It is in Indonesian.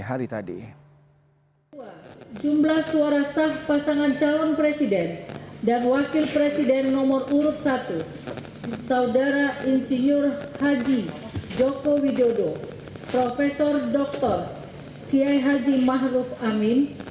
jumlah suara sah pasangan calon presiden dan wakil presiden nomor urut satu saudara insinyur haji joko widodo prof dr kiai haji maruf amin